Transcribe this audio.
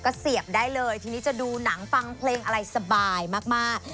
ก็เสียบได้เลยทีนี้จะดูหนังฟังเพลงอะไรสบายมาก